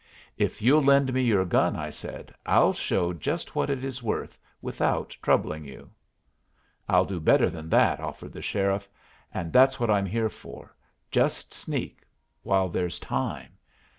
"If you'll lend me your gun," I said, "I'll show just what it is worth, without troubling you." "I'll do better than that," offered the sheriff, "and that's what I'm here for. Just sneak, while there's time."